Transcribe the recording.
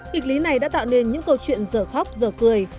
kịch lý này đã tạo nên những câu chuyện giờ khóc giờ cười